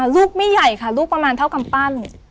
ลูกไม่ใหญ่ค่ะลูกประมาณเท่ากำปั้น